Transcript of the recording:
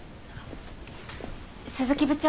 鈴木部長。